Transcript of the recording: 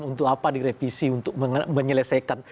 untuk apa direvisi untuk menyelesaikan